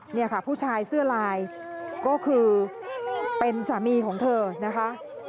นี่ค่ะผู้ชายเสื้อลายก็คือเป็นสามีของเธอนะคะ